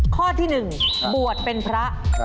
ข้อที่๑บวชเป็นพระ